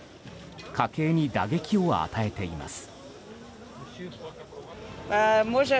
家計に打撃を与えています。